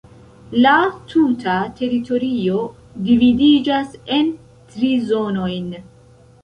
La tuta teritorio dividiĝas en tri zonojn.